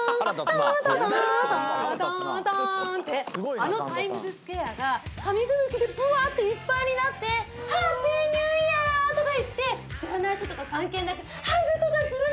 あのタイムズスクエアが紙吹雪でぶわっていっぱいになって「ハッピーニューイヤー！」とか言って知らない人とか関係なくハグとかするの。